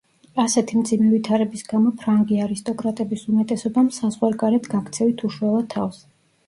ასეთი მძიმე ვითარების გამო ფრანგი არისტოკრატების უმეტესობამ საზღვარგარეთ გაქცევით უშველა თავს.